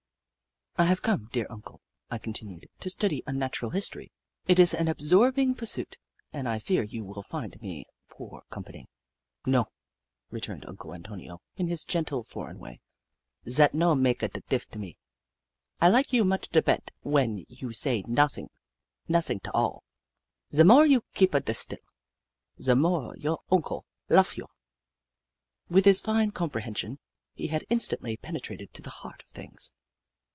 " I have come, dear Uncle," I continued, " to study Unnatural History. It is an absorbing pursuit, and I fear you will find me poor company "" No," returned Uncle Antonio, in his gentle, foreign way, " zat no maka da dif to me. I lika you mucha da bet when you say nossing — nossing 't all. Ze more you keepa da still, ze more your Oncle lofe you." With his fine comprehension, he had in stantly penetrated to the heart of things.